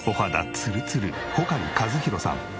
ツルツル穂苅万博さん。